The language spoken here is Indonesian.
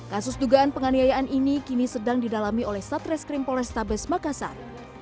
kasus dugaan penganiayaan ini kini sedang didalami oleh satres krimpol restabes makassar